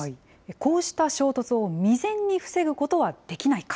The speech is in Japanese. こうした衝突を未然に防ぐことはできないか。